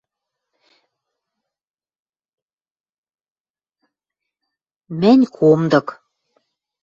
Мӹнь – комдык.